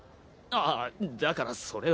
あだからそれは。